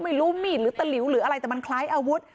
ไม่รู้มีดหรือตะหลิวหรืออะไรแต่มันคล้ายอาวุธ